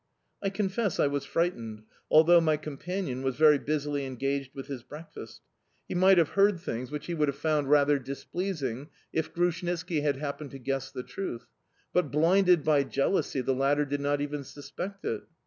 I confess I was frightened, although my companion was very busily engaged with his breakfast: he might have heard things which he would have found rather displeasing, if Grushnitski had happened to guess the truth; but, blinded by jealousy, the latter did not even suspect it.